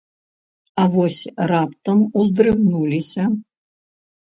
А вось раптам уздрыгануліся.